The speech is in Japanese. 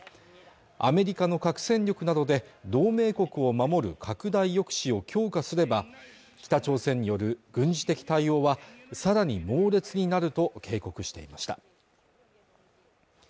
アメリカの核戦力などで同盟国を守る拡大抑止を強化すれば北朝鮮による軍事的対応は更に猛烈になると警告していました